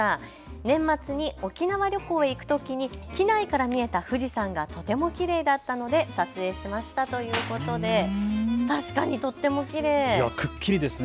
年末に沖縄旅行へ行くときに機内から見えた富士山がとてもきれいだったので撮影しましたということで確かにとてもきれいですね。